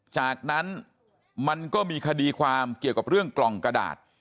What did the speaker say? จากนั้นมันก็มีคดีความเกี่ยวกับเรื่องกล่องกระดาษ